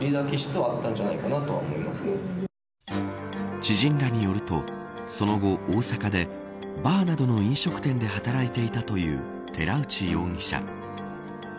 知人らによると、その後大阪で、バーなどの飲食店で働いていたという寺内容疑者。